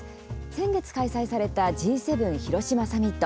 先月開催されたＧ７広島サミット。